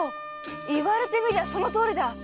言われてみりゃそのとおりだ。